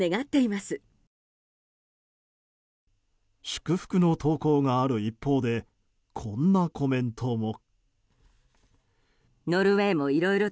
祝福の投稿がある一方でこんなコメントも。